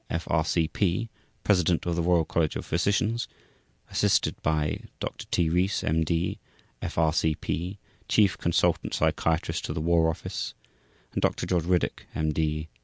D. F.R.C.P. President of the Royal College of Physicians, assisted by Dr. T. Rees, M.D. F.R.C.P. Chief Consultant Psychiatrist to the War Office, and Dr. George Riddoch, M.